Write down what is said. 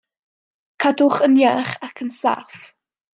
Cadwch yn iach ac yn saff.